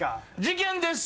事件です！